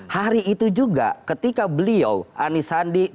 hari itu juga ketika beliau anies handi tidak sesuai